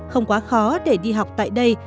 không quá khó để đi học tại đây